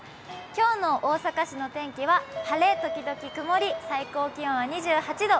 今日の大阪市の天気は晴れ時々曇り、最高気温は２８度。